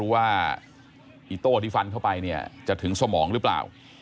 ว่าอีโต้ที่ฟันเข้าไปเนี่ยจะถึงสมองหรือเปล่า